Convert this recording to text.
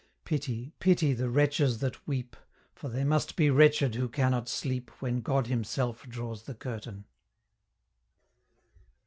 Pity, pity the wretches that weep, For they must be wretched, who cannot sleep When God himself draws the curtain!